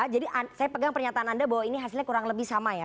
jadi saya pegang pernyataan anda bahwa ini hasilnya kurang lebih sama ya